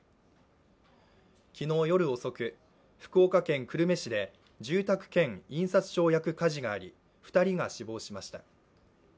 昨日夜遅く、福岡県久留米市で住宅兼印刷所を焼く火事があり２人が死亡しました。